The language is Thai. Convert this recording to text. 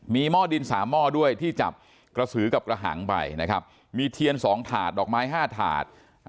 มีหม้อดิน๓หม้อด้วยที่จับกระสือกับกระหังไปนะครับมีเทียน๒ถาดดอกไม้๕ถาด